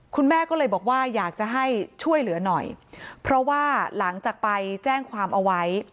คุณแม่ก็เลยบอกว่าอยากจะให้ช่วยเหลือหน่อยเพราะว่าหลังจากไปแจ้งความเอาไว้